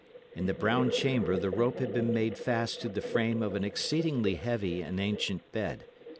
In the brown chamber the rope had been made fast to the frame of an exceeding heavy and ancient bed.